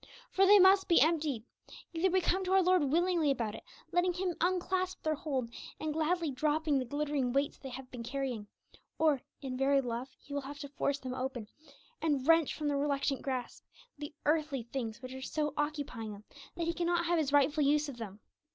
For they must be emptied. Either we come to our Lord willingly about it, letting Him unclasp their hold, and gladly dropping the glittering weights they have been carrying, or, in very love, He will have to force them open, and wrench from the reluctant grasp the 'earthly things' which are so occupying them that He cannot have His rightful use of them.